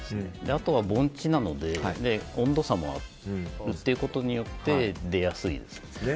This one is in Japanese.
あとは盆地なので温度差もあるということによって出やすいですね。